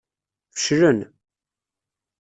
Feclen.